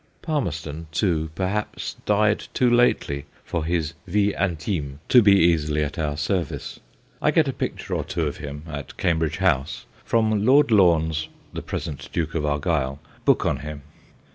Palmerston, too, perhaps, died too lately for his vie intime to be easily at our service. I get a picture or two of him at Cambridge House from Lord Lome's (the present Duke of Argyll) book on him.